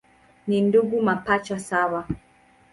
Ni ndugu mapacha sawa.